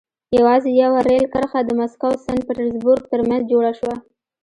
یوازې یوه رېل کرښه د مسکو سن پټزربورګ ترمنځ جوړه شوه.